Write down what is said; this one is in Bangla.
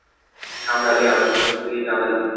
কামড়ালি আমাকে তুই কামড়ালি?